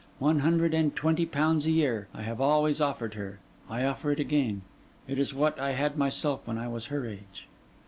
One hundred and twenty pounds a year, I have always offered her: I offer it again. It is what I had myself when I was her age.